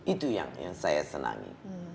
itu yang saya senangi